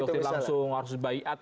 doktrin doktrin langsung harus bayiat